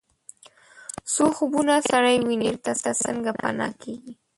څه خوبونه سړی ویني بیرته څنګه پناه کیږي